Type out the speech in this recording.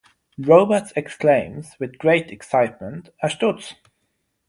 Robards exclaims with great excitement "a Stutz!".